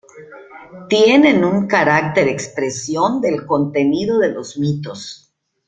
Tienen un carácter expresión del contenido de los mitos.